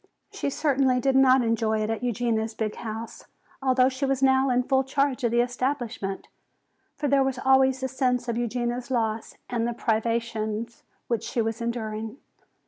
She certainly did not enjoy it at Eugenia's big house, although she was now in full charge of the establishment. For there was always the sense of Eugenia's loss and of the privations which she was enduring.